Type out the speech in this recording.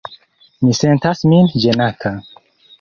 Mi sentas min ĝenata.